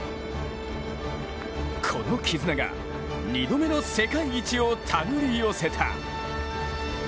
この絆が２度目の世界一を手繰り寄せた。